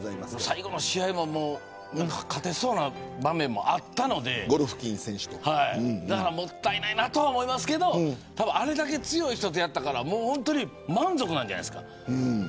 最後の試合も勝てそうな場面もあったのでもったいないなとは思いますがあれだけ強い人とやったから満足なんじゃないですか。